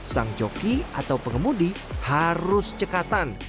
sang joki atau pengemudi harus cekatan